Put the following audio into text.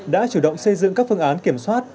đã chủ động xây dựng các phương án kiểm soát